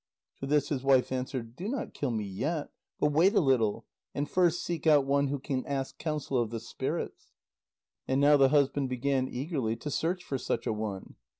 To this his wife answered: "Do not kill me yet, but wait a little, and first seek out one who can ask counsel of the spirits." And now the husband began eagerly to search for such a one.